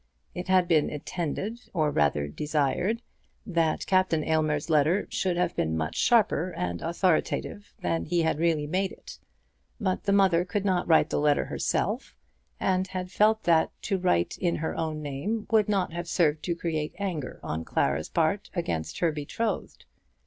It had been intended, or rather desired, that Captain Aylmer's letter should have been much sharper and authoritative than he had really made it; but the mother could not write the letter herself, and had felt that to write in her own name would not have served to create anger on Clara's part against her betrothed.